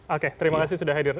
oke terima kasih sudah hadir